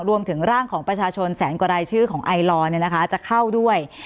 รวมถึงร่างของประชาชนแสนกว่ารายชื่อของไอลอร์จะเข้าด้วย